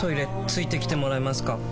付いてきてもらえますか？